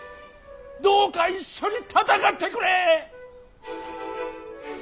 どうか一緒に戦ってくれ！